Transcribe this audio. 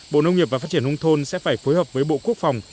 bộ nông nghiệp và phát triển nông thôn sẽ phải phối hợp với bộ quốc phòng